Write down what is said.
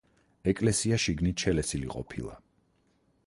ეკლესია შიგნით შელესილი ყოფილა.